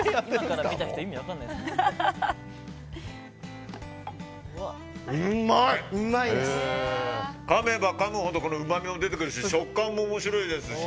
かめばかむほどうまみも出てくるし食感も面白いですし。